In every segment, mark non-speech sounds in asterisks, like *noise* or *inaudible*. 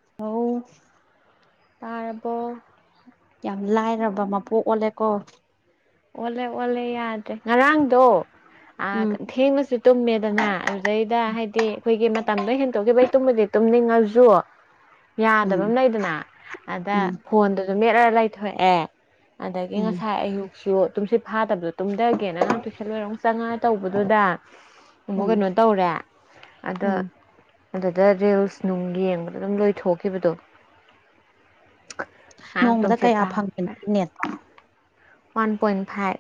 *unintelligible* ꯇꯥꯔꯕꯣ? ꯌꯥꯝ ꯂꯥꯏꯔꯕ ꯃꯄꯣꯛ ꯑꯣꯜꯂꯦꯀꯣ꯫ ꯑꯣꯜꯂꯦ ꯑꯣꯜꯂꯦ ꯌꯥꯗ꯭ꯔꯦ ꯉꯔꯥꯡꯗꯣ ꯑ ꯎꯝ ꯊꯦꯡꯅꯁꯨ ꯇꯨꯝꯃꯦꯗꯅ ꯑꯗꯨꯗꯩꯗ ꯍꯥꯏꯗꯤ ꯑꯩꯈꯣꯏꯒꯤ ꯃꯇꯝꯗꯣ ꯍꯦꯟꯇꯣꯛꯈꯤꯕꯩ ꯇꯨꯝꯕꯨꯗꯤ ꯇꯨꯝꯅꯤꯡꯉꯖꯨ *inaudible* ꯌꯥꯗꯕ ꯑꯃ ꯂꯩꯗꯅ ꯑꯗ ꯎꯝ ꯐꯣꯟꯗꯨꯖꯨ ꯃꯦꯠꯂꯒ ꯂꯩꯊꯣꯛ ꯑꯦ꯫ ꯑꯗꯒꯤ ꯎꯝ ꯉꯁꯥꯏ ꯑꯌꯨꯛꯁꯨ ꯇꯨꯝꯁꯤꯠ ꯐꯥꯗꯕꯗꯣ ꯇꯨꯝꯊꯒꯦꯅ ꯑꯉꯥꯡ ꯇꯨꯏꯁꯟ ꯂꯣꯏꯔ ꯆꯪꯉꯛꯑ ꯇꯧꯕꯗꯨꯗ ꯑꯃꯨꯛ ꯎꯝ ꯀꯩꯅꯣ ꯇꯧꯔꯦ ꯑꯗꯨ ꯎꯝ ꯑꯗꯨꯗ ꯔꯤꯜꯁ ꯅꯨꯡ ꯌꯦꯡꯕꯗ ꯑꯗꯨꯝ ꯂꯣꯏꯊꯣꯛꯈꯤꯕꯗꯣ꯫ ꯉꯔꯥꯡ ꯅꯣꯡꯃꯗ ꯇꯨꯝꯁꯤꯠ ꯀꯌꯥ ꯐꯥ ꯐꯪꯒꯦ ꯅꯪꯒꯤ ꯅꯦꯠꯇꯣ꯫ One point five.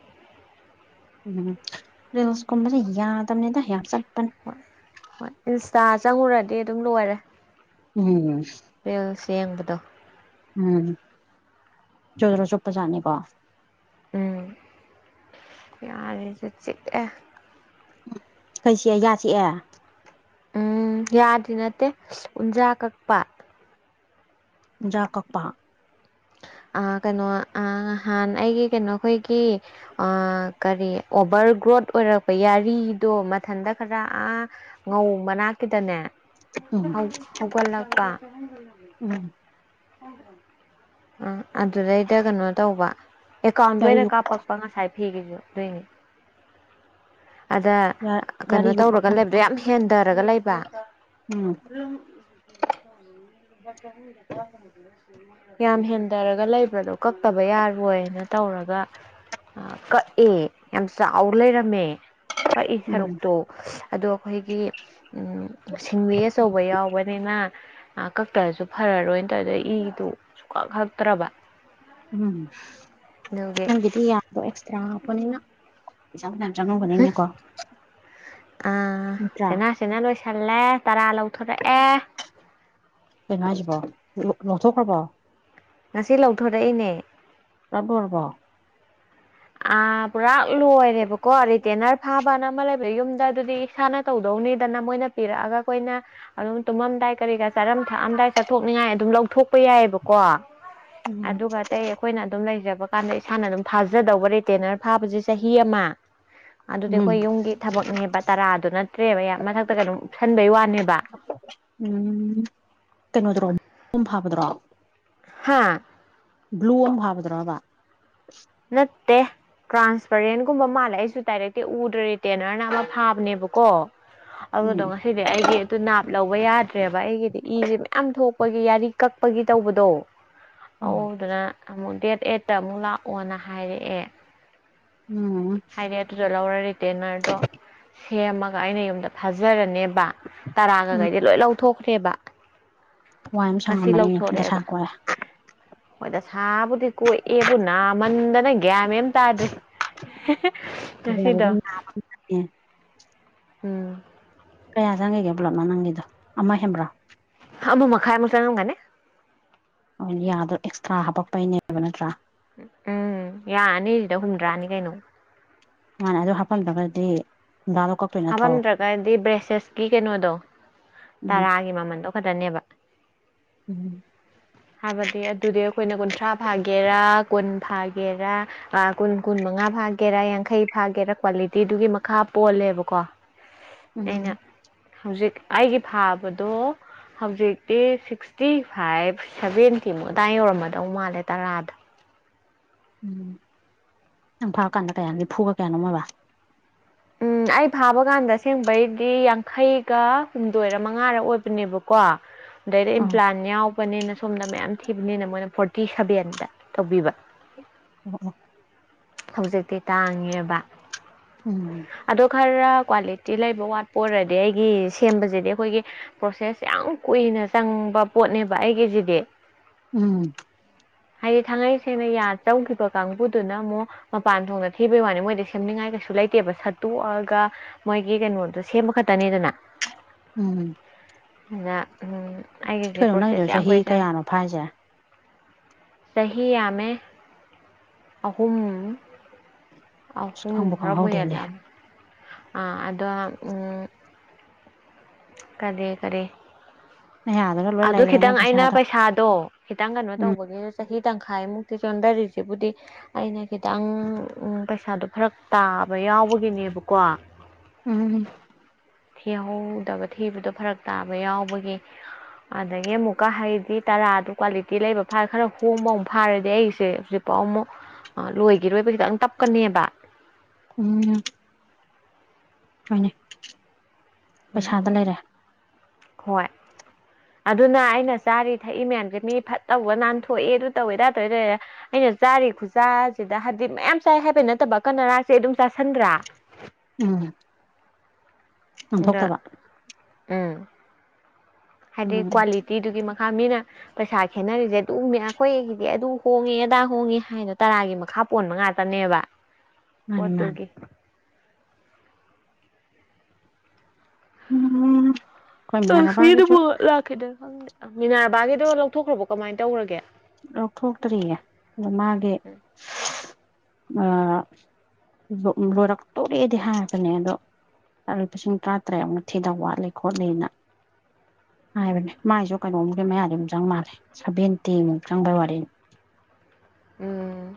ꯎꯝ ꯔꯤꯌꯁꯀꯨꯝꯕꯁꯦ ꯌꯥꯗꯕꯅꯤꯗ ꯌꯥꯝ ꯆꯠꯄꯅꯤ꯫ ꯍꯣꯏ ꯍꯣꯏ ꯏꯟꯁꯇꯥ ꯆꯪꯉꯨꯔꯗꯤ ꯑꯗꯨꯝ ꯂꯣꯏꯔꯦ꯫ ꯎꯝ꯫ ꯔꯤꯜꯁ ꯌꯦꯡꯕꯗꯣ꯫ ꯎꯝ ꯖ꯭ꯔꯣ-ꯖ꯭ꯔꯣ ꯆꯨꯞꯄ ꯖꯥꯠꯅꯤꯀꯣ꯫ ꯎꯝ ꯌꯥꯔꯤꯁꯨ ꯆꯤꯛꯑꯦ꯫ ꯀꯩ ꯆꯤꯛꯑꯦ ꯌꯥꯆꯤꯛꯑꯦ꯫ ꯎꯝ ꯌꯥꯗꯤ ꯅꯠꯇꯦ ꯎꯟꯖꯥ ꯀꯛꯄ꯫ ꯎꯟꯖꯥ ꯀꯛꯄ꯫ ꯑ ꯀꯩꯅꯣ ꯑ ꯉꯍꯥꯟ ꯑꯩꯒꯤ ꯀꯩꯅꯣ ꯑꯩꯈꯣꯏꯒꯤ ꯑ ꯀꯔꯤ ꯑꯣꯚꯔ ꯒ꯭ꯔꯣꯠ ꯑꯣꯏꯔꯛꯄ ꯌꯥꯔꯤꯗꯣ ꯃꯊꯟꯇ ꯈꯔ ꯑꯥ ꯉꯧ ꯃꯅꯥꯛꯀꯤꯗꯅꯦ ꯎꯝ ꯍꯧꯒꯠꯂꯛꯄ꯫ ꯎꯝ꯫ ꯑ ꯑꯗꯨꯗꯩꯗ ꯀꯩꯅꯣ ꯇꯧꯕ ꯑꯦꯀꯥꯎꯟꯗ ꯑꯣꯏꯅ ꯌꯥꯔꯤꯌꯨ ꯀꯥꯞꯄꯛ ꯄꯥ ꯉꯁꯥꯏ ꯐꯤꯒꯤꯖꯨ ꯑꯗꯨꯏꯅꯤ꯫ ꯑꯗ ꯀꯩꯅꯣ ꯌꯥꯔꯤꯌꯨ ꯇꯧꯔꯒ ꯂꯩꯕꯗꯣ ꯌꯥꯝ ꯍꯦꯟꯗꯔꯒ ꯂꯩꯕ꯫ *unintelligible* ꯎꯝ *unintelligible* ꯌꯥꯝ ꯍꯦꯟꯗꯔꯒ ꯂꯩꯕ꯭ꯔꯥꯗꯣ ꯀꯛ ꯇꯕ ꯌꯥꯔꯣꯏꯅ ꯇꯧꯔꯒ ꯀꯛꯑꯦ ꯌꯥꯝ ꯆꯥꯎ ꯂꯩꯔꯝꯃꯦ꯫ ꯀꯛꯏ ꯎꯝ ꯁꯔꯨꯛꯇꯣ ꯑꯗꯣ ꯑꯩꯈꯣꯏꯒꯤ ꯁꯤꯡꯋꯦ ꯑꯆꯧꯕ ꯌꯥꯎꯕꯅꯤꯅ ꯀꯛꯇ꯭ꯔꯁꯨ ꯐꯔꯔꯣꯏꯅ ꯇꯗ ꯏꯗꯣ ꯁꯨꯡꯈꯛ ꯈꯛꯇ꯭ꯔꯕ꯫ ꯎꯝ ꯑꯗꯨꯒꯤ ꯅꯪꯒꯤꯗꯤ ꯌꯥꯗꯣ ꯑꯦꯛꯁꯇ꯭ꯔꯥ ꯍꯥꯞꯄꯅꯤꯅ꯫ ꯄꯩꯁꯥ ꯐꯅꯥꯝ ꯆꯪꯉꯧꯝꯒꯅꯤꯅꯦꯀꯣ ꯅꯠꯇ꯭ꯔꯥ? *unintelligible* ꯂꯣꯏꯁꯤꯜꯂꯦ ꯇꯔꯥ ꯂꯧꯊꯣꯔꯛꯑꯦ꯫ ꯀꯩꯅꯣ ꯍꯥꯏꯁꯤꯕꯣ ꯂꯣꯛꯊꯣꯛꯈ꯭ꯔꯕꯣ? ꯉꯁꯤ ꯂꯧꯊꯣꯔꯛꯏꯅꯦ꯫ *unintelligible* ꯑ ꯄꯨꯔꯥꯛ ꯂꯣꯏꯔꯦꯕꯀꯣ ꯔꯤꯇꯦꯅꯔ ꯐꯥꯕ ꯕꯅ ꯑꯃ ꯂꯩꯕ ꯌꯨꯝꯗ ꯑꯗꯨꯗꯤ ꯏꯁꯥꯅ ꯇꯧꯗꯧꯅꯤꯗꯅ ꯃꯣꯏꯅ ꯄꯤꯔꯛꯑꯒ ꯑꯩꯈꯣꯏꯅ ꯑꯗꯨꯝ ꯇꯨꯝꯃꯝꯗꯥꯏ ꯀꯔꯤ ꯀꯥꯔꯥ ꯃꯔꯝ ꯊꯛꯑꯝꯗꯥꯏ ꯆꯥꯊꯣꯛꯅꯤꯡꯉꯥꯏ ꯑꯗꯨꯝ ꯂꯧꯊꯣꯛꯄ ꯌꯥꯏꯕꯀꯣ ꯎꯝ ꯑꯗꯨꯒ ꯑꯇꯩ ꯑꯩꯈꯣꯏꯅ ꯑꯗꯨꯝ ꯂꯩꯖꯕ ꯀꯥꯟꯗ ꯏꯁꯥꯅ ꯑꯗꯨꯝ ꯊꯥꯖꯗꯧ ꯔꯤꯇꯦꯅꯔ ꯐꯥꯕꯖꯦ ꯆꯍꯤ ꯑꯃ ꯑꯗꯨꯗꯤ ꯎꯝ ꯑꯩꯈꯣꯏ ꯌꯨꯝꯒꯤ ꯊꯕꯛꯅꯦꯕ ꯇꯔꯥꯗꯣ ꯅꯠꯇ꯭ꯔꯦꯕ *unintelligible* ꯃꯊꯛꯇ ꯀꯩꯅꯣꯝ ꯎꯞꯁꯟꯕꯩ ꯋꯥꯅꯦꯕ ꯎꯝ ꯀꯩꯅꯣꯗꯔꯣ *unintelligible* ꯐꯥꯕꯗ꯭ꯔꯣ ꯍꯥ ꯒꯂꯣ ꯑꯃ ꯐꯥꯕꯗ꯭ꯔꯣꯕ ꯅꯠꯇꯦ ꯇ꯭ꯔꯥꯟꯁꯄꯔꯦꯟꯒꯨꯝꯕ ꯃꯥꯜꯂꯦ ꯑꯩꯁꯨ ꯗꯥꯏꯔꯦꯛꯇꯤ ꯎꯗ꯭ꯔꯤ ꯇꯦꯅꯔꯅ ꯑꯃ ꯐꯥꯕꯅꯦꯕꯀꯣ *inaudible* ꯑꯗꯨꯗꯣ ꯉꯁꯤꯗꯤ ꯑꯩꯒꯤ ꯑꯗꯨ ꯅꯥꯞ ꯂꯧꯕ ꯌꯥꯗ꯭ꯔꯦꯕ ꯑꯩꯒꯤꯗꯤ ꯏꯖꯦ ꯌꯥꯝ ꯊꯣꯛꯄꯒꯤ ꯌꯥꯔꯤ ꯀꯛꯄꯒꯤ ꯇꯧꯕꯗꯣ ꯑꯧ ꯑꯗꯨꯗꯨꯅ ꯑꯃꯨꯛ ꯗꯦꯠ ꯑꯩꯠꯇ ꯑꯃꯨꯛ ꯂꯥꯛꯑꯣꯅ ꯍꯥꯏꯔꯛꯑꯦ *unintelligible* ꯍꯥꯏꯔꯛꯑꯦ ꯑꯗꯨꯗꯣ ꯂꯧꯔ ꯔꯤꯇꯦꯅꯔꯗꯣ ꯁꯦꯝꯃꯒ ꯑꯩꯅ ꯌꯨꯝꯗ ꯐꯥꯖꯔꯅꯦꯕ ꯎꯝ ꯇꯔꯥꯒꯒꯩꯗꯤ ꯂꯣꯏ ꯂꯧꯊꯣꯛꯈ꯭ꯔꯦꯕ ꯋꯥꯏ ꯑꯃ ꯁꯪꯉꯝꯃꯅꯤꯅꯦ ꯗꯁꯥ ꯀꯣꯛꯑꯦ ꯍꯣꯢ ꯗꯁꯥꯕꯨꯗꯤ ꯀꯣꯛꯑꯦꯕꯨ ꯅꯥꯃꯟꯗꯅ ꯒ꯭ꯌꯥꯟ ꯃꯦꯟ ꯑꯝ ꯇꯥꯗ꯭ꯔꯤ ꯍꯦꯍꯦ ꯐꯖꯕ ꯉꯁꯤꯗꯣ ꯑꯗꯨꯝ ꯂꯥꯛꯑꯦ ꯎꯝ ꯀꯌꯥ ꯆꯪꯒꯤꯒꯦ ꯄꯨꯂꯞꯅ ꯅꯪꯒꯤꯗꯣ ꯑꯃ ꯍꯦꯟꯕ꯭ꯔꯣ ꯑꯃ ꯃꯈꯥꯏ ꯃꯨꯛ ꯆꯪꯉꯝꯒꯅꯤ ꯑ ꯌꯥꯗꯣ ꯑꯦꯛꯁꯇ꯭ꯔꯥ ꯍꯥꯄꯛꯄꯩꯅꯦꯕ ꯅꯠꯇ꯭ꯔꯥ ꯎꯝ ꯌꯥ ꯑꯅꯤꯖꯤꯗ ꯍꯨꯝꯗ꯭ꯔꯥꯅꯤ ꯀꯩꯅꯣ ꯃꯥꯅꯦ ꯑꯗꯨ ꯍꯥꯞꯄꯝꯗ꯭ꯔꯒꯗꯤ ꯍꯨꯝꯗ꯭ꯔꯥꯗꯣ ꯀꯛ ꯍꯥꯕꯝꯗ꯭ꯔꯒꯗꯤ ꯕ꯭ꯔꯦꯁꯦꯁꯀꯤ ꯀꯩꯅꯣꯗꯣ ꯎꯝ ꯇꯔꯥꯒꯤ ꯃꯃꯟꯗꯣ ꯈꯠꯇꯅꯦꯕ ꯎꯝ ꯍꯥꯏꯕꯗꯤ ꯑꯗꯨꯗꯤ ꯑꯩꯈꯣꯏꯅ ꯀꯨꯟꯊ꯭ꯔꯥ ꯐꯥꯒꯦꯔꯥ ꯀꯨꯟ ꯐꯥꯒꯦꯔꯥ *unintelligible* ꯀꯨꯟ ꯀꯨꯟ ꯃꯉꯥ ꯐꯥꯒꯦꯔꯥ ꯌꯥꯡꯈꯩ ꯐꯥꯒꯦꯔꯥ ꯀ꯭ꯋꯥꯂꯤꯇꯤꯗꯨꯒꯤ ꯃꯈꯥ ꯄꯣꯜꯂꯦꯕꯀꯣ *inaudible* ꯑꯩꯅ ꯍꯧꯖꯤꯛ ꯑꯩꯒꯤ ꯐꯥꯕꯗꯣ ꯍꯧꯖꯤꯛꯇꯤ ꯁꯤꯛꯁꯇꯤ ꯐꯥꯏꯚ ꯁꯚꯦꯟꯇꯤꯃꯨꯛ ꯑꯗꯥꯏ ꯌꯧꯔꯝꯃꯗꯧ ꯃꯥꯜꯂꯦ ꯇꯔꯥꯗ ꯎꯝ ꯅꯪ ꯐꯥꯀꯥꯟꯗ ꯀꯌꯥ ꯅꯤꯐꯨꯒ ꯀꯌꯥꯅꯣꯝꯑꯣꯏꯕ ꯎꯝ ꯑꯩ ꯐꯥꯕ ꯀꯥꯟꯗ ꯑꯁꯦꯡꯕꯩꯗꯤ ꯌꯥꯡꯈꯩꯒ ꯍꯨꯝꯗꯣꯏꯔ ꯃꯉꯥꯔ ꯑꯣꯏꯕꯅꯦꯕ ꯀꯣ ꯑꯗꯩꯗꯤ ꯑꯥ ꯏꯝꯄ꯭ꯂꯥꯟ ꯌꯥꯎ ꯕꯅꯤꯅ ꯁꯣꯝꯗ ꯃꯌꯥꯝ ꯊꯤꯕꯅꯤꯅ ꯃꯣꯏꯅ ꯐꯣꯔꯇꯤ ꯁꯚꯦꯟꯗ ꯇꯧꯕꯤꯕ ꯑꯣꯑꯣ ꯍꯧꯖꯤꯛꯇꯤ ꯇꯥꯡꯉꯦꯕ ꯎꯝ ꯑꯗꯣ ꯈꯔ ꯀ꯭ꯋꯥꯂꯤꯇꯤ ꯂꯩꯕ ꯋꯥꯠꯄ ꯑꯣꯏꯔꯗꯤ ꯑꯩꯒꯤ ꯁꯦꯝꯕꯖꯤꯗꯤ ꯑꯩꯈꯣꯏꯒꯤ ꯄ꯭ꯔꯣꯁꯦꯁ ꯌꯥꯝ ꯀꯨꯏꯅ ꯆꯪꯕ ꯄꯣꯠꯅꯦꯕ ꯑꯩꯒꯤꯖꯤꯗꯤ ꯎꯝ ꯍꯥꯏꯗꯤ ꯊꯥꯡꯉꯩ ꯁꯦꯡꯅ ꯌꯥ ꯆꯧꯈꯤꯕ ꯀꯥꯡꯕꯨꯗꯨꯅ ꯑꯃꯨꯛ ꯃꯄꯥꯟ ꯊꯣꯡꯗ ꯊꯤꯕꯩ ꯋꯥꯅꯤ ꯃꯣꯏꯗꯤ ꯁꯦꯝꯅꯤꯡꯉꯥꯏ ꯀꯩꯁꯨ ꯂꯩꯠ ꯇꯦꯕ ꯁꯠꯇꯣꯛꯑꯒ ꯃꯣꯏꯒꯤ ꯀꯩꯅꯣꯗꯣ ꯁꯦꯝꯕ ꯈꯠꯇꯅꯤꯗꯅ ꯎꯝ ꯅꯥ ꯀꯩꯅꯣ ꯅꯪꯒꯤꯗꯣ ꯆꯍꯤ ꯀꯌꯥꯅꯣ ꯐꯥꯏꯖꯦ ꯆꯍꯤ ꯌꯥꯃꯦ ꯑꯍꯨꯝ ꯑꯁ ꯑꯍꯨꯝ ꯈꯪꯕꯨ ꯍꯔꯕꯨ ꯈꯪꯍꯧꯗꯦꯅꯦ ꯍꯦꯜꯂꯝ ꯑꯥ ꯑꯗꯣ ꯎꯝ ꯀꯗꯦ ꯀꯔꯤ ꯃꯌꯥꯗꯒ ꯂꯨ__ ꯑꯗꯨ ꯈꯤꯇꯪ ꯑꯩꯅ ꯄꯩꯁꯥꯗꯣ ꯈꯤꯇꯪ ꯀꯩꯅꯣ ꯎꯝ ꯇꯧꯕꯒꯤ ꯆꯍꯤ ꯇꯪꯈꯥꯏꯃꯨꯛꯇꯤ ꯆꯣꯟꯗꯥꯔꯤꯖꯤꯕꯨꯗꯤ ꯑꯩꯅ ꯈꯤꯇꯪ ꯎꯝ ꯄꯩꯁꯥꯗꯣ ꯐꯔꯛ ꯇꯥꯕ ꯌꯥꯎꯕꯒꯤꯅꯦꯕꯀꯣ ꯎꯝ ꯊꯤꯍꯧꯗꯕ ꯊꯤꯕꯗꯣ ꯐꯔꯛ ꯇꯥꯕ ꯌꯥꯎꯕꯒꯤ ꯑꯗꯒꯤ ꯑꯃꯨꯛꯀ ꯍꯥꯏꯗꯤ ꯇꯔꯥꯗꯨ ꯀ꯭ꯋꯥꯂꯤꯇꯤ ꯂꯩꯕ ꯐꯥ ꯈꯔ ꯍꯣꯡꯕ ꯑꯃꯨꯛ ꯐꯥꯔꯗꯤ ꯑꯩꯁꯦ ꯍꯨꯖꯤꯛꯄꯥꯎ ꯑꯃꯨꯛ__ ꯑꯥ ꯂꯣꯏꯒꯤꯔꯣꯏꯕ ꯈꯤꯇꯪ ꯇꯞꯀꯅꯦꯕ ꯎꯝ ꯍꯣꯏꯅꯦ ꯎꯝ ꯄꯩꯁꯥꯗ ꯂꯩꯔꯦ ꯍꯣꯏ ꯑꯗꯨꯅ ꯑꯩꯅ ꯆꯥꯔꯤ ꯊꯛꯏ ꯃꯌꯥꯝꯖꯦ ꯃꯤ ꯐꯠ ꯇꯧꯕ ꯅꯥꯟꯊꯣꯛꯑꯦ ꯑꯗꯨ ꯇꯧꯋꯦ ꯑꯗꯥ ꯇꯧꯋꯦ ꯇꯧꯌꯦ ꯑꯩꯅ ꯆꯥꯔꯤ ꯈꯨꯆꯥꯖꯤꯗ ꯍꯥꯏꯕꯗꯤ ꯃꯌꯥꯝ ꯆꯥꯏ ꯍꯥꯏꯕꯩ ꯅꯠꯇꯕ ꯀꯅꯥꯔꯥꯁꯦ ꯑꯗꯨꯝ ꯆꯥꯥꯁꯟꯗ꯭ꯔꯥ ꯎꯝ ꯗꯥ ꯅꯥꯟꯊꯣꯛꯇꯕ ꯎꯝ ꯍꯥꯏꯗꯤ ꯎꯝ ꯀ꯭ꯋꯥꯂꯤꯇꯤꯗꯨꯒꯤ ꯃꯈꯥ ꯃꯤꯅ__ ꯄꯩꯁꯥ ꯈꯦꯠꯅꯔꯤꯖꯦ ꯑꯗꯨꯃꯦ ꯑꯩꯈꯣꯏꯒꯤꯗꯤ ꯑꯗꯨ ꯍꯣꯡꯉꯦ ꯑꯗꯥ ꯍꯣꯡꯉꯤ ꯍꯥꯏꯅꯣ ꯇꯔꯥꯒꯤ ꯃꯈꯥ ꯄꯣꯟꯕ ꯉꯥꯛꯇꯅꯦꯕ *inaudible* ꯃꯥꯅꯤ ꯄꯣꯠꯇꯨꯒꯤ ꯎꯝꯍꯨꯝ ꯂꯛꯁꯃꯤꯗꯨꯕꯨ ꯂꯥꯛꯈꯤꯗꯥ ꯈꯪꯗꯦ ꯃꯤꯅꯔꯕꯥꯒꯤꯗꯣ ꯂꯧꯊꯣꯛꯈ꯭ꯔꯕꯣ ꯀꯃꯥꯏ ꯇꯧꯔꯒꯦ ꯂꯧꯊꯣꯛꯇ꯭ꯔꯤꯌꯦ ꯑꯗꯣ ꯃꯥꯒꯤ ꯑꯥ ꯂꯣ ꯂꯣꯏꯔꯛꯇꯣꯔꯦꯗꯤ ꯍꯥꯏꯕꯅꯦ ꯑꯗꯣ ꯑꯂꯨꯄꯥꯁꯤꯡ ꯇ꯭ꯔꯥꯇꯔꯦꯠ ꯑꯃꯨꯛ ꯊꯤꯗꯧ ꯋꯥꯠꯂꯤ ꯈꯣꯠꯂꯤ ꯑꯅꯥ ꯍꯥꯏꯕꯅꯦ ꯃꯥꯏꯁꯨ ꯀꯩꯅꯣꯝꯒꯤ ꯃꯌꯥꯗꯤ ꯑꯝ ꯆꯪ ꯃꯥꯜꯂꯦ ꯁꯚꯦꯟꯇꯤꯃꯨꯛ ꯆꯪꯕꯩ ꯋꯥꯔꯤꯅꯤ ꯎꯝ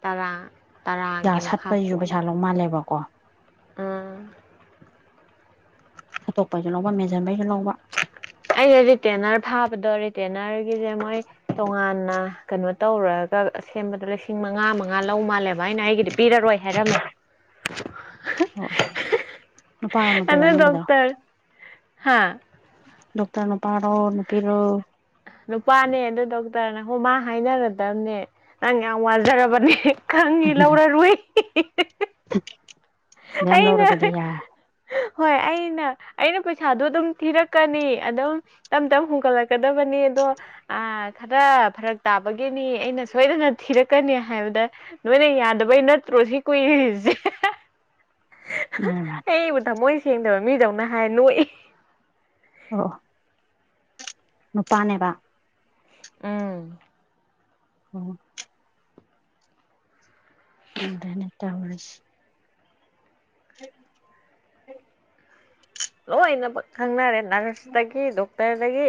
ꯇꯔꯥ ꯌꯥ ꯇꯔꯥꯒꯤ ꯃꯈꯥ ꯁꯠꯄꯩꯖꯨ ꯄꯣꯜꯂꯦ ꯄꯩꯁꯥ ꯂꯧ ꯃꯥꯜꯂꯦꯕꯀꯣ ꯎꯝ ꯁꯠꯇꯣꯛꯄꯩꯖꯨ ꯂꯧꯕ ꯃꯦꯟꯖꯟꯕꯩꯖꯨ ꯂꯧꯕ ꯑꯩꯖꯦ ꯔꯤꯇꯦꯅꯔ ꯐꯥꯕꯗ ꯔꯤꯇꯦꯅꯔꯒꯤꯖꯦ ꯃꯣꯏ ꯇꯣꯉꯥꯟꯅ ꯀꯩꯅꯣ ꯇꯧꯔꯒ ꯑ ꯁꯦꯝꯕꯗ ꯂꯤꯁꯤꯡ ꯃꯉꯥ ꯃꯉꯥ ꯂꯧ ꯃꯥꯜꯂꯦꯕ ꯍꯥꯏꯅ ꯑꯩꯒꯤꯗꯤ ꯄꯤꯔꯔꯣꯏ ꯍꯥꯏꯔꯝꯃꯦ ꯑꯣ ꯅꯨꯄꯥꯔꯣ ꯅꯨꯄꯤꯔꯣ ꯑꯗꯨ ꯅꯪꯒꯤꯗꯣ ꯗꯣꯛꯇꯔ ꯍꯥꯥ ꯗꯣꯛꯇꯔ ꯅꯨꯄꯥꯔꯣ ꯅꯨꯄꯤꯔꯣ ꯅꯨꯄꯥꯅꯦ ꯑꯗꯨ ꯗꯣꯛꯇꯔꯅ ꯍꯣ ꯃꯥ ꯍꯥꯏꯅꯔꯗꯝꯅꯦ ꯅꯪ ꯌꯥꯝ ꯋꯥꯖꯔꯕꯅꯦ ꯈꯪꯉꯤ ꯂꯧꯔꯔꯣꯏ *unintelligible* ꯌꯥꯝ ꯂꯧꯔꯣ ꯑꯩꯅ ꯑꯗꯨꯗꯤ ꯌꯥꯔꯦ ꯍꯣꯏ ꯑꯩꯅ ꯑꯩꯅ ꯄꯩꯁꯥꯗꯣ ꯑꯗꯨꯝ ꯊꯤꯔꯛꯀꯅꯤ ꯑꯗꯨꯝ ꯇꯞ ꯇꯞ ꯍꯨꯒꯠꯂꯛꯀꯗꯕꯅꯤ ꯑꯗꯣ ꯑ ꯈꯔ ꯐꯔꯛ ꯇꯥꯕꯒꯤꯅꯤ ꯑꯩꯅ ꯁꯣꯏꯗꯅ ꯊꯤꯔꯛꯀꯅꯤ ꯍꯥꯏꯕꯗ ꯅꯣꯏꯅ ꯌꯥꯗꯕꯩ ꯅꯠꯇ꯭ꯔꯣ ꯁꯤ ꯀꯨꯏꯔꯤꯁꯦ *unintelligible* ꯑꯩꯕꯨ ꯊꯃꯣꯏ ꯁꯦꯡꯗꯕ ꯃꯤꯗꯧꯅ ꯍꯥꯏ ꯅꯣꯛ ꯑꯦ ꯑꯣ ꯃꯄꯥꯅꯦꯕ ꯎꯝ ꯑꯣ ꯈꯪꯗꯦꯅꯦ ꯇꯧꯔꯤꯖꯦ *unintelligible* ꯂꯣꯏꯅ ꯈꯪꯅꯔꯦ ꯅꯔꯁꯇꯒꯤ ꯗꯣꯛꯇꯔꯗꯒꯤ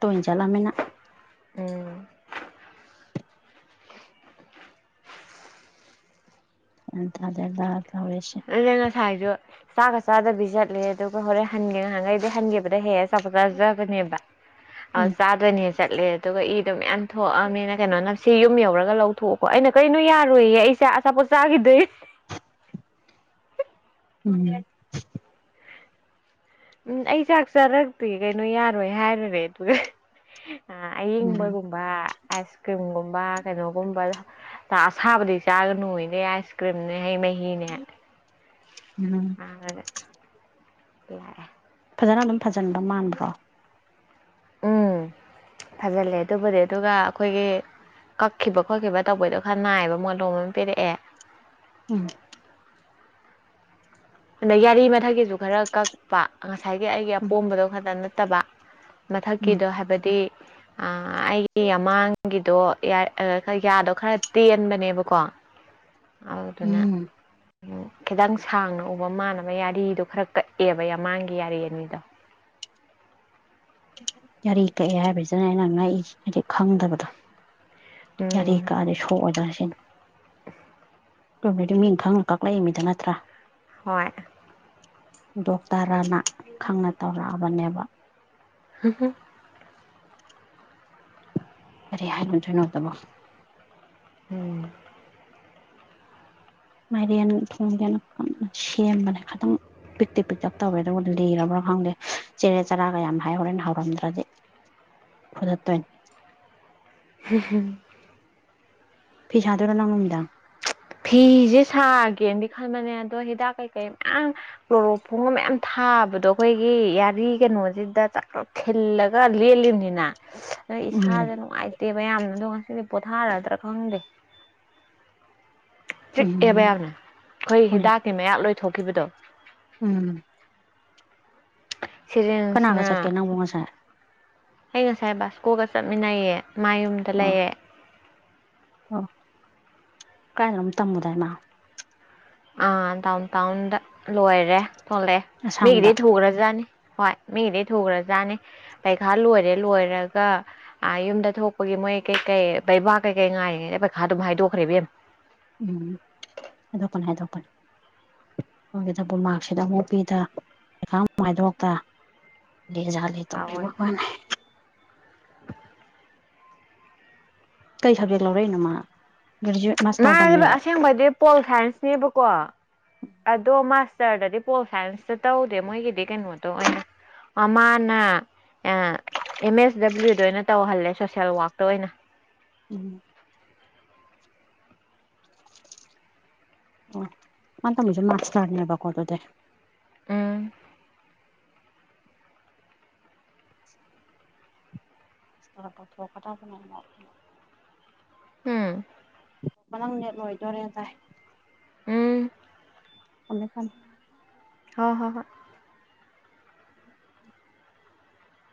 ꯇꯣꯏꯅꯥ ꯆꯠꯂꯥꯃꯤꯅꯥ ꯎꯝ ꯒꯌ꯭ꯥꯟ ꯇꯗꯦꯗꯥ ꯇꯧꯔꯤꯁꯦ ꯑꯩꯅ ꯉꯁꯥꯏꯁꯨ ꯆꯥꯛꯒ ꯆꯥꯗꯕꯤ ꯆꯠꯂꯦ ꯑꯗꯨꯒ ꯍꯣꯔꯦꯟ ꯍꯟꯒꯦ ꯉꯍꯥꯟꯈꯩꯗꯤ ꯍꯟꯈꯤꯕꯗ ꯍꯦꯛ ꯑꯆꯥꯄꯣꯠ ꯆꯥꯖꯕꯅꯦꯕ ꯑ ꯎꯝ ꯆꯥꯗꯣꯏꯅꯦ ꯆꯠꯂꯦ ꯑꯗꯨꯒ ꯏꯗꯣ ꯃꯌꯥꯝ ꯊꯣꯛꯑꯝꯃꯤꯅ ꯀꯩꯅꯣꯅ ꯁꯤ ꯌꯨꯝ ꯌꯧꯔꯒ ꯂꯧꯊꯣꯛꯑꯣꯀꯣ ꯑꯩꯅ ꯀꯩꯅꯣ ꯌꯥꯔꯣꯏꯌꯦ ꯑꯩꯁꯦ ꯑꯆꯥꯄꯣꯠ ꯆꯥꯈꯤꯗꯣꯏ ꯎꯝ ꯎꯝ ꯑꯩ ꯆꯥꯛ ꯆꯥꯔꯛꯇꯦ ꯀꯩꯅꯣ ꯌꯥꯔꯣꯏ ꯍꯥꯏꯔꯨꯔꯦ ꯑꯗꯨꯒ ꯑꯌꯤꯡ ꯎꯝ ꯕꯒꯨꯝꯕ ꯑꯥꯏꯁ ꯀ꯭ꯔꯤꯝꯒꯨꯝꯕ ꯀꯩꯅꯣꯒꯨꯝꯕ ꯑꯁꯥꯕꯗꯤ ꯆꯥꯒꯅꯣꯏꯅꯦ ꯀ꯭ꯔꯤꯝꯅꯦ ꯍꯩ ꯃꯍꯤꯅꯦ ꯎꯝ *unintelligible* ꯐꯖꯅ ꯑꯗꯨꯝ ꯐꯖꯟꯕ ꯃꯥꯟꯕ꯭ꯔꯣ *inaudible* ꯐꯖꯤꯜꯂꯦ ꯑꯗꯨꯕꯨꯗꯤ ꯑꯗꯨꯒ ꯑꯩꯈꯣꯏꯒꯤ ꯀꯛꯈꯤꯕ ꯈꯣꯠꯈꯤꯕ ꯇꯧꯕꯩꯗꯣ ꯈꯔ ꯅꯥꯏꯕ ꯃꯣꯂꯣꯝ ꯑꯃ ꯄꯤꯔꯛꯑꯦ ꯎꯝ ꯑꯗ ꯌꯥꯔꯤ ꯃꯊꯛꯀꯤꯁꯨ ꯈꯔ ꯀꯛꯄ ꯉꯁꯥꯏꯒꯤ ꯑꯩꯒꯤ ꯎꯝ ꯑꯄꯣꯝꯕꯗꯣ ꯈꯛꯇ ꯅꯠꯇꯕ ꯎꯝ ꯃꯊꯛꯀꯤꯗꯣ ꯍꯥꯏꯕꯗꯤ ꯑꯩꯒꯤ ꯃꯥꯡꯒꯤꯗꯣ ꯌꯥꯗꯣ ꯈꯔ ꯇꯦꯟꯕꯅꯦꯕꯀꯣ ꯑꯗꯨꯅ ꯎꯝ ꯈꯤꯇꯪ ꯁꯥꯡꯅ ꯎꯕ ꯃꯥꯟꯅꯕ ꯌꯥꯔꯤꯗꯣ ꯈꯔ ꯀꯛꯑꯦꯕ ꯌꯥꯝꯃꯥꯡꯒꯤ ꯌꯥꯔꯤ ꯑꯅꯤꯗꯣ ꯌꯥꯔꯤ ꯀꯛꯑꯦ ꯍꯥꯏꯕꯁꯤꯗꯅꯦ ꯑꯩꯅ ꯉꯛꯏꯖꯦ ꯍꯥꯏꯗꯤ ꯈꯪꯗꯕꯗꯣ ꯌꯔꯤ ꯎꯝ ꯀꯛꯑꯗꯤ ꯁꯣꯛꯑꯣꯏꯗꯔꯥ ꯁꯤꯅꯦ ꯑꯗꯨꯕꯨꯗꯤ ꯃꯤ ꯈꯪꯅ ꯀꯛꯂꯛ ꯏꯃꯤꯗꯅ ꯅꯠꯇ꯭ꯔꯥ ꯍꯣꯏ ꯗꯣꯛꯇꯔꯅ ꯈꯪꯅ ꯇꯧꯔꯛꯑꯕꯅꯦꯕ *unintelligible* ꯀꯔꯤ *unintelligible* ꯎꯝ ꯃꯥꯏꯔꯦꯟ ꯊꯣꯡꯒꯦꯅ ꯀꯟꯅꯥ ꯁꯦꯝꯕꯅꯦ ꯑꯗꯨꯝ ꯄꯤꯛꯇꯤ ꯄꯤꯛꯇꯞ ꯇꯧꯔꯦ ꯑꯗꯨꯕꯨ ꯂꯤꯔꯕꯔꯕ꯭ꯔꯥ ꯈꯪꯗꯦ ꯆꯦꯔꯦ ꯆꯔꯥꯒ ꯌꯥꯝ ꯍꯥꯏ ꯍꯥꯏꯍꯧꯔꯦ ꯍꯥꯎꯔꯝꯗ꯭ꯔꯗꯤ ꯐꯨꯗꯠ ꯇꯣꯏꯅꯤ *unintelligible* ꯐꯤ ꯁꯥꯥꯗꯣꯏꯔꯣ ꯅꯪ ꯅꯨꯃꯤꯗꯥꯡ ꯐꯤꯁꯦ ꯁꯥꯒꯦꯅꯗꯤ ꯈꯟꯕꯅꯦ ꯑꯗꯣ ꯍꯤꯗꯥꯛ ꯀꯩꯀꯩ ꯃꯌꯥꯝ ꯀ꯭ꯂꯣꯔꯣꯛꯞ ꯐꯣꯡꯕ ꯃꯌꯥꯝ ꯊꯥꯕꯗꯣ ꯑꯩꯈꯣꯏꯒꯤ ꯌꯥꯔꯤ ꯀꯩꯅꯣꯁꯤꯗ ꯆ ꯈꯤꯜꯂꯒ ꯂꯦꯂꯤꯝꯅꯤꯅ *unintelligible* ꯏꯁꯥꯁꯦ ꯅꯨꯡꯉꯥꯏꯇꯦꯕ ꯃꯌꯥꯝꯅ ꯑꯗꯣ ꯉꯁꯤꯗꯤ ꯄꯣꯊꯥꯔꯗ꯭ꯔꯥ ꯈꯪꯗꯦ ꯆꯤꯛꯑꯦꯕ ꯎꯝ ꯌꯥꯝꯅ ꯑꯩꯈꯣꯏ ꯍꯣꯏ ꯍꯤꯗꯥꯛꯀꯤ ꯃꯌꯥꯛ ꯂꯣꯏꯊꯣꯛꯈꯤꯕꯗꯣ ꯎꯝ ꯀꯅꯥꯒ ꯁꯤꯔꯤꯟꯁꯅ ꯆꯠꯀꯦ ꯅꯪꯕꯨ ꯉꯁꯥꯏ ꯑꯩ ꯉꯁꯥꯏ ꯕꯥꯁꯀꯣꯒ ꯆꯠꯃꯤꯟꯅꯩꯌꯦ ꯃꯥ ꯌꯨꯝꯗ ꯑꯣ ꯂꯩꯌꯦ ꯑꯣ ꯀꯥꯏꯗꯅꯣꯝ ꯇꯝꯃꯨꯔꯦ ꯃꯥ ꯑꯥ ꯗꯥꯎꯟ ꯇꯥꯎꯟꯗ ꯂꯣꯏꯔꯦ ꯊꯣꯛꯂꯛꯑꯦ ꯑꯁꯥꯝꯗ ꯃꯤꯒꯤꯗꯤ ꯊꯨꯈ꯭ꯔꯖꯥꯠꯅꯤ ꯍꯣꯏ ꯃꯤꯗꯤ ꯊꯨꯈ꯭ꯔꯖꯥꯅꯤ ꯄꯩꯈꯥ ꯂꯣꯏꯔꯦ ꯂꯣꯏꯔꯒ ꯑꯥ ꯌꯨꯝꯗ ꯊꯣꯛꯄꯒꯤ ꯃꯣꯏ ꯀꯩꯀꯩ ꯕꯩꯕꯥ ꯀꯩꯀꯩ ꯉꯥꯏꯔꯤꯉꯩꯗ ꯄꯩꯈꯥ ꯑꯗꯨꯝ ꯍꯥꯏꯗꯣꯛꯈ꯭ꯔꯦ ꯏꯕꯦꯝꯃ ꯎꯝ ꯑꯗꯣ ꯀꯅꯥꯝ ꯍꯥꯏꯗꯣꯛꯄꯅꯤ ꯑꯣꯏꯒꯗꯕ ꯃꯥꯔꯛꯁꯤꯗ ꯑꯃꯨꯛ ꯄꯤꯗ ꯄꯩꯥꯈꯥ ꯑꯃꯨꯛ ꯍꯥꯏꯗꯣꯛꯇ ꯂꯦꯖꯂꯦ ꯇꯧꯒꯦ ꯍꯥꯎꯋꯦ *unintelligible* ꯀꯩ ꯁꯕꯖꯦꯛ ꯂꯧꯔꯛꯏꯅꯣ ꯃꯥ ꯒ꯭ꯔꯦꯖꯨꯑꯦꯠ ꯃꯒꯤꯗꯣ ꯑꯁꯦꯡꯕꯗꯤ ꯄꯣꯜ ꯁꯥꯏꯟꯁꯅꯦꯕꯀꯣ ꯑꯗꯣ ꯃꯥꯁꯇꯔꯗꯗꯤ ꯄꯣꯜ ꯁꯥꯏꯟꯁꯇ ꯇꯧꯗꯦ ꯃꯣꯏꯒꯤꯗꯤ ꯀꯩꯅꯣꯗꯣ ꯑꯣꯏꯅ ꯃꯃꯥꯅ ꯑꯦꯝ ꯑꯦꯁ ꯗꯕ꯭ꯂꯤꯎꯗ ꯑꯣꯏꯅ ꯇꯧꯍꯜꯂꯦ ꯁꯣꯁꯦꯜ ꯋꯥꯛꯇ ꯑꯣꯏꯅ ꯎꯝ ꯑꯣ ꯃꯥꯅ ꯇꯝꯃꯤꯁꯦ ꯃꯥꯁꯇꯔꯅꯦꯕꯥꯀꯣ ꯑꯗꯨꯗꯤ ꯎꯝ ꯏꯁꯇ ꯇꯧꯊꯣꯛ ꯀꯗꯔꯥ *unintelligible* ꯎꯝ ꯅꯪ ꯅꯦꯠ ꯂꯣꯏꯗꯣꯔꯦ ꯗꯥꯏ ꯎꯝ ꯊꯝꯃꯦ‌ ꯊꯝꯃꯦ ꯍꯣꯏ‌‌ ꯍꯣꯏ‌‌‌ ꯍꯣꯏ *inaudible*